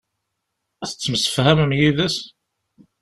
Tettemsefhamem yid-s?